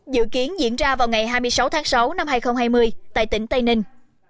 dự kiến diễn ra vào ngày hai mươi sáu tháng sáu năm hai nghìn hai mươi tại tỉnh tây ninh